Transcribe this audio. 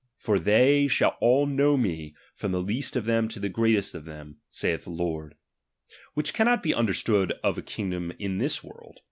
For ihey shall all know me, from the least of them to the greatest of them, saitli the Lord : which can not be understood of a kingdom in this world.